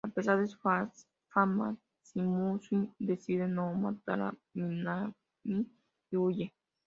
A pesar de su fama, Shimizu decide no matar a Minami y huye.